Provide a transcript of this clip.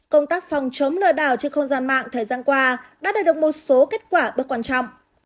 công tác phòng chống lừa đảo trên không gian mạng thời gian qua đã đạt được một số kết quả bước quan trọng